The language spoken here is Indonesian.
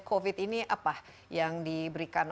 covid ini apa yang diberikan